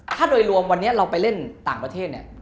ถ้าโดยรวมวันนี้เราไปเล่นต่างประเทศเนี่ย